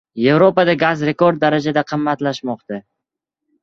Evropada gaz rekord darajada qimmatlashmoqda